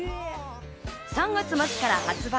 ３月末から発売。